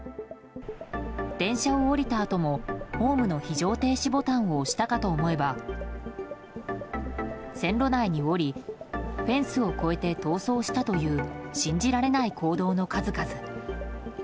電車を降りたあともホームの非常停止ボタンを押したかと思えば線路内に下りフェンスを越えて逃走したという信じられない行動の数々。